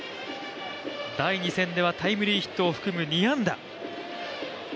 第２戦ではタイムリーヒットを含む２安打。